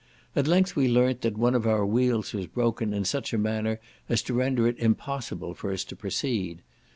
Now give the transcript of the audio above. At length we learnt that one of our wheels was broken in such a manner as to render it impossible for us to proceed.